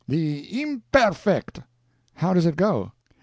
"The Imperfect." "How does it go?"